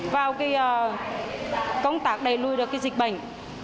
vào công tác đẩy lùi được dịch bệnh